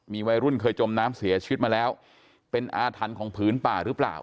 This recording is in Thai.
มีวัยรุ่นเคยจมน้ำเสียชีวิตมาแล้วเป็นอาถรรพ์ของผืนป่าหรือเปล่า